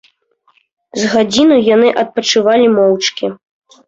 З гадзіну яны адпачывалі моўчкі.